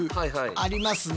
ありますね。